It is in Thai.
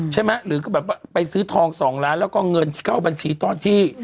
หรือก็แบบว่าไปซื้อทอง๒ล้านแล้วก็เงินที่เข้าบัญชีตอนที่